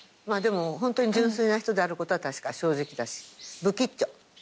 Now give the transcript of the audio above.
まあでもホントに純粋な人であることは確か正直だしぶきっちょ。